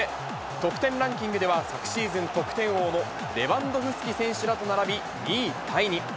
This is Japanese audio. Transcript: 得点ランキングでは、昨シーズン得点王のレバンドフスキ選手らと並び、２位タイに。